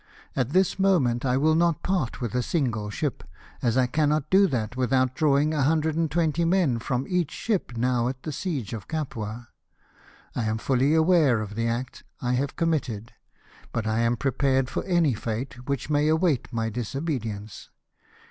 At this moment I Avill not part with a single ship, as I cannot do that without drawing a hundred and twenty men from each ship, now at the siege of Capua. I am fully aware of the act I have committed, but I am prepared for any fate which may await my disobedience.